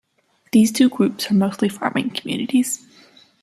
These two groups are mostly farming communities.